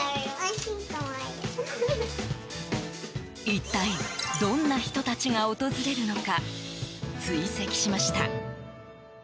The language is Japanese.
一体どんな人たちが訪れるのか追跡しました。